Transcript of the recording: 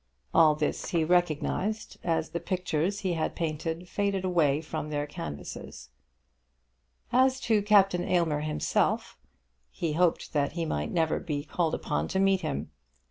All this he recognised as the pictures he had painted faded away from their canvases. As to Captain Aylmer himself, he hoped that he might never be called upon to meet him.